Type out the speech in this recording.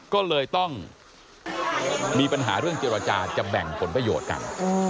ก็เลยต้องมีปัญหาเรื่องเจรจาจะแบ่งผลประโยชน์กัน